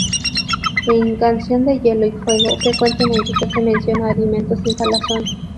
En "Canción de hielo y fuego" frecuentemente se hace mención a alimentos en salazón.